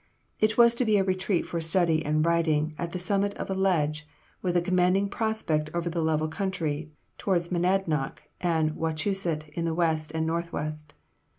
It was to be a retreat for study and writing, at the summit of a ledge, with a commanding prospect over the level country, towards Monadnoc and Wachusett in the west and northwest.